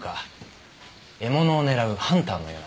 獲物を狙うハンターのようなね。